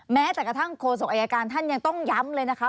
แม้แต่กระทั่งโฆษกอายการท่านยังต้องย้ำเลยนะคะ